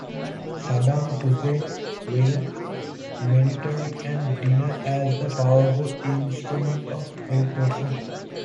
Saddam Hussein wielded monetary and the dinar as "a powerful instrument of repression".